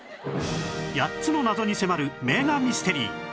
８つの謎に迫る名画ミステリー